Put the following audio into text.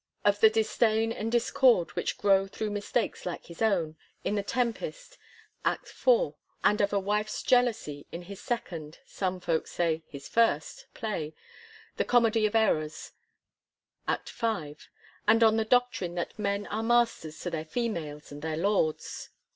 p. 62, of the disdain and discord which grow thru mistakes like his own, in the Tempest, IV. i. p. 04, and of a wife's jealousy ^ in his second — ^some folk say his first play, T?ie Comedy of Errors, V. i. p. 92, and on the doctrine that men '*are masters to their females, and their lords."